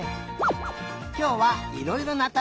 きょうはいろいろなたね